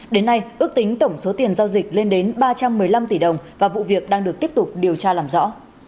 đến nay ước tính tổng số tiền giao dịch lên đến ba trăm một mươi năm tỷ đồng và vụ việc đang được tiếp tục điều tra làm rõ